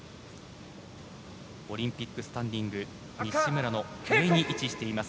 オリンピックスタンディング西村の上に位置しています